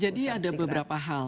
jadi ada beberapa hal